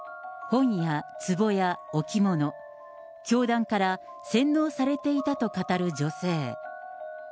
本やつぼや置物、教団から洗脳されていたと語る女性。